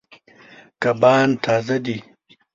کبان تازه دي.